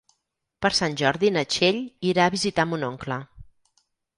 Per Sant Jordi na Txell irà a visitar mon oncle.